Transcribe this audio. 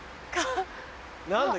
何だ？